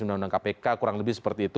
undang undang kpk kurang lebih seperti itu